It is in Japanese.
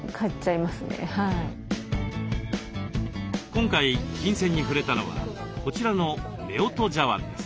今回琴線に触れたのはこちらのめおと茶わんです。